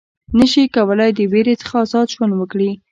نه شي کولای د وېرې څخه آزاد ژوند وکړي.